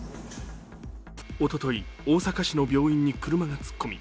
おととい、大阪市の病院に車が突っ込み